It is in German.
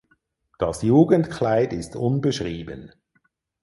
Das Jugendkleid ist unbeschrieben.